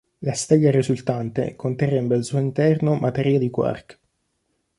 La stella risultante conterrebbe al suo interno materia di quark.